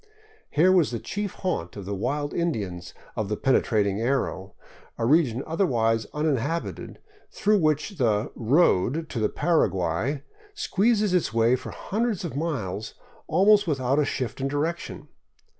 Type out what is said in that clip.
Here was the chief haunt of the wild Indians of the penetrating arrow, a region otherwise uninhabited, through which the " road " to the Paraguay squeezes its way for hundreds of miles almost without a shift of direction.